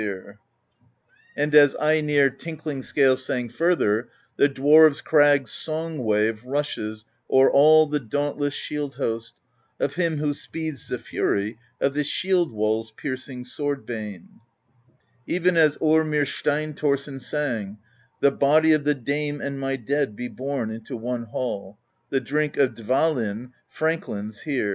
104 PROSE EDDA And as Einarr Tinkling Scale sang further: The Dwarves' Crag's Song wave rushes O'er all the dauntless shield host Of him who speeds the fury Of the shield wall's piercing sword bane, Even as Ormr Steinthorsson sang: The body of the dame And my dead be borne Into one hall; the Drink Of Dvalinn, Franklins, hear.